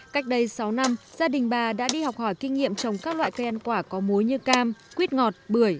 cách đây sáu năm gia đình bà đã đi học hỏi kinh nghiệm trồng các loại cây ăn quả có muối như cam quýt ngọt bưởi